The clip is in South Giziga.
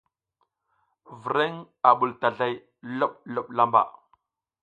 Vreŋ a ɓul tazlay loɓloɓ lamba.